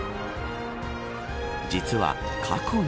実は過去に。